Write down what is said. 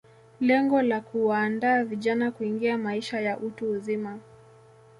Lengo la kuwaandaa vijana kuingia maisha ya utu uzima